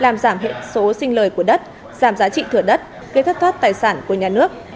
làm giảm hệ số sinh lời của đất giảm giá trị thửa đất gây thất thoát tài sản của nhà nước